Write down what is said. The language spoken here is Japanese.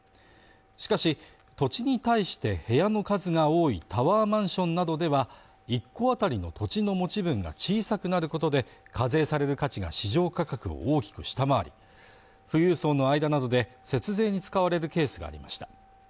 しかし、土地に対して、部屋の数が多いタワーマンションなどでは、一戸当たりの土地の持ち分が小さくなることで課税される価値が市場価格を大きく下回り、富裕層の間などで節税に使われるケースがありました。